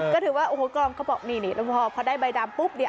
ก็ถือว่าโอ้โหกล้องเขาบอกนี่แล้วพอได้ใบดำปุ๊บเนี่ย